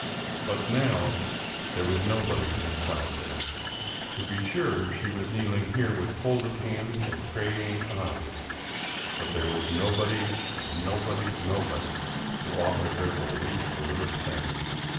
But now there was nobody inside there. To be sure she was kneeling here with folded hands and praying eyes; but there was nobody, nobody, nobody who offered her the least little thing.